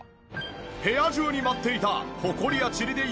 部屋中に舞っていたホコリやチリで汚れた空気が。